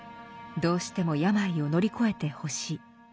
どうしても病を乗り越えてほしい。